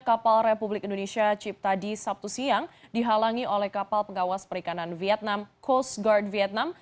kapal republik indonesia cipta di sabtu siang dihalangi oleh kapal pengawas perikanan vietnam coast guard vietnam